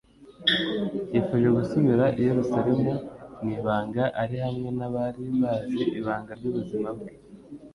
Yifuje gusubira i Yerusalemu mu ibanga, ari hamwe n'abari bazi ibanga ry'ubuzima Bwe.